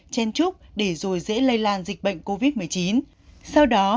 chen trúc để rồi dễ lây lan dịch bệnh covid một mươi chín